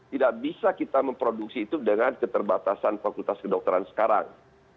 tidak bisa kita memproduksi itu dengan keterbatasan fakultas kedokteran sekarang